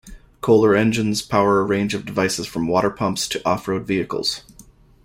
Kohler engines power a range of devices from water pumps to off-road vehicles.